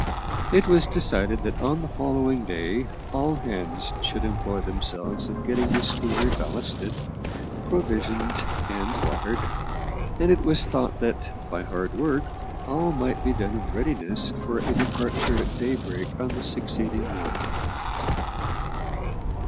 It was decided that on the following day all hands should employ themselves in getting the schooner ballasted, provisioned and watered, and it was thought that, by hard work, all might be done in readiness for a departure at daybreak on the succeeding morning.